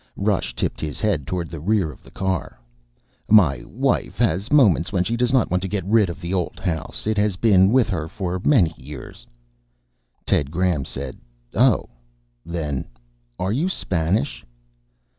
Rush tipped his head toward the rear of the car. "My wife has moments when she does not want to get rid of the old house. It has been with her for many years." Ted Graham said, "Oh." Then: "Are you Spanish?"